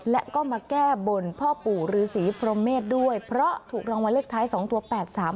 และก็มาแก้บนพ่อปู่ฤษีพรหมเมษด้วยเพราะถูกรางวัลเลขท้ายสองตัวแปดสาม